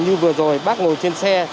như vừa rồi bác ngồi trên xe